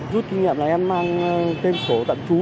rút kinh nghiệm là em mang tên sổ tận chú